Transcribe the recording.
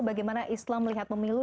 bagaimana islam melihat pemilu